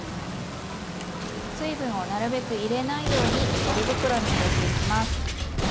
水分をなるべく入れないようにポリ袋に入れていきます。